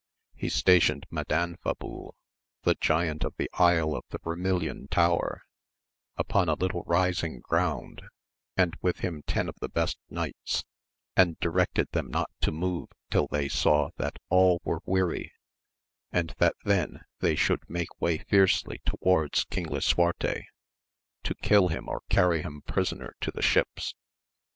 He stationed Madanfabul, the giant of the isle of the Vermillion Tower, upon a little rising ground, and with him ten of the best knights, and directed them not to move till they saw that all were weary, and that then they should make way fiercely towards King Lisuarte, to kill him or carry him prisoner to the ships.